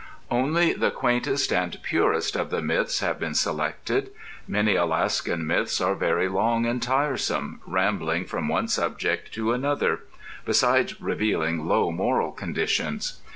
Only the quaintest and purest of the myths have been selected. Many Alaskan myths are very long and tiresome, rambling from one subject to another, besides revealing low moral conditions.